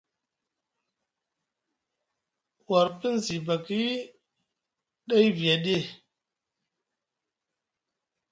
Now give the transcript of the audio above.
War pinzibaki dai viya ɗi?